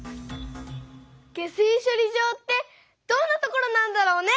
下水しょり場ってどんなところなんだろうね？